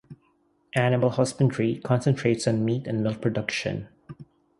Animal husbandry concentrates on meat and milk production.